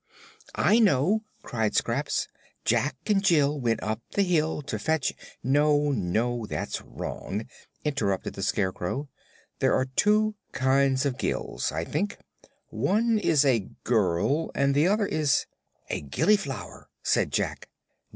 "I know!" cried Scraps. "Jack and Jill went up the hill to fetch " "No, no; that's wrong," interrupted the Scarecrow. "There are two kinds of gills, I think; one is a girl, and the other is " "A gillyflower," said Jack.